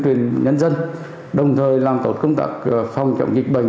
tăng cường công tập vận động tuyển nhân dân đồng thời làm tổ chức công tập phòng trọng dịch bệnh